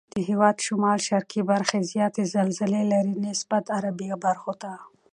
د هېواد شمال شرقي برخې زیاتې زلزلې لري نسبت غربي برخو ته.